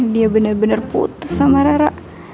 dia bener bener putus sama rara